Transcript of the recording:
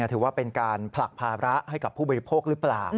ถือว่าเป็นการผลักภาระให้กับผู้บริโภคหรือเปล่า